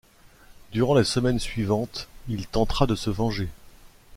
Durant les semaines suivantes, il tentera de se venger.